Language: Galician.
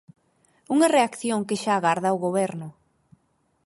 Unha reacción que xa agarda o Goberno...